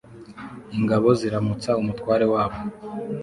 Ingabo ziramutsa umutware wabo